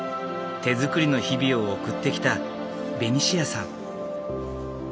手づくりの日々を送ってきたベニシアさん。